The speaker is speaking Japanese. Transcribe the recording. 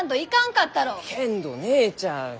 けんど姉ちゃん